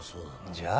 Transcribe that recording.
じゃあ